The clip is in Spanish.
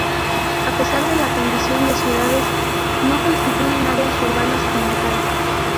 A pesar de la condición de ciudades, no constituyen áreas urbanas como tal.